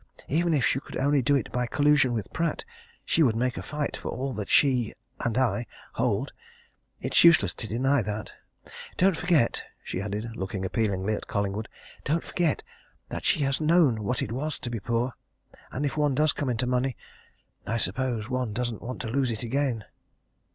Even if she could only do it by collusion with Pratt, she would make a fight for all that she and I hold. It's useless to deny that. Don't forget," she added, looking appealingly at Collingwood, "don't forget that she has known what it was to be poor and if one does come into money I suppose one doesn't want to lose it again."